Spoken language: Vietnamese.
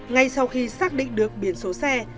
ngay sau khi xác định được biển số xe